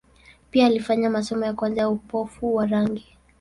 Pia alifanya masomo ya kwanza ya upofu wa rangi.